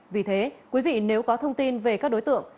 vì thế quý vị nếu có thông tin về các đối tượng